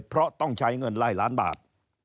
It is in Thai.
เพราะต้องใช้เงินไล่ล้านบาท